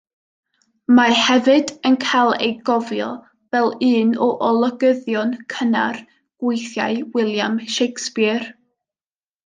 Mae hefyd yn cael ei gofio fel un o olygyddion cynnar gweithiau William Shakespeare.